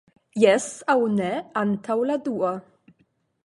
Jes aŭ ne antaŭ la dua.